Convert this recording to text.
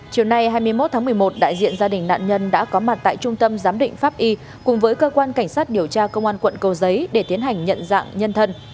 chiều nay hai mươi một tháng một mươi một đại diện gia đình nạn nhân đã có mặt tại trung tâm giám định pháp y cùng với cơ quan cảnh sát điều tra công an quận cầu giấy để tiến hành nhận dạng nhân thân